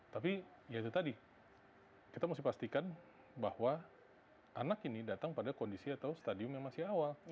tapi ya itu tadi kita mesti pastikan bahwa anak ini datang pada kondisi atau stadium yang masih awal